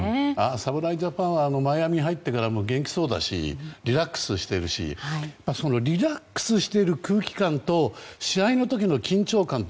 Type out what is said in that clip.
侍ジャパンはマイアミに入ってからも元気そうだしリラックスしているしリラックスしている空気感と試合の時の緊張感と、